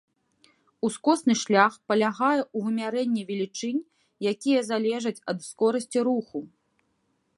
Ускосны шлях палягае ў вымярэнні велічынь, якія залежаць ад скорасці руху.